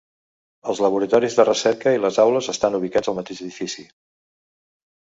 Els laboratoris de recerca i les aules estan ubicats al mateix edifici.